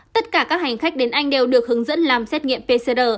tất cả các hành khách đến anh đều được hướng dẫn làm xét nghiệm pcr